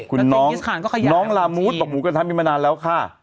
น้องลามูทบอกหมูกระทะมีมานานแล้วค่ะ